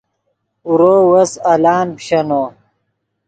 اورو وس الان پیشینو